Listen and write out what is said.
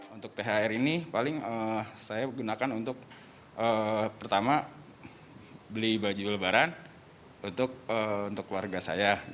untuk thr ini paling saya gunakan untuk pertama beli baju lebaran untuk keluarga saya